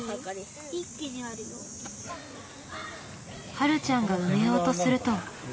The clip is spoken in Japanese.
はるちゃんが埋めようとすると。